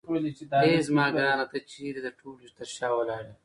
اې زما ګرانه ته چیرې د ټولو تر شا ولاړ یې.